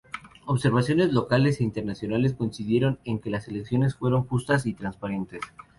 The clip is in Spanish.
Observadores locales e internacionales coincidieron en que las elecciones fueron justas y transparentes.